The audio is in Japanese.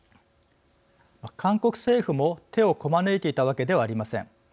韓国政府も手をこまねいていたわけではありません。